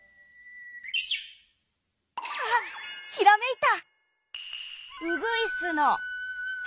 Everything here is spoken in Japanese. あっひらめいた！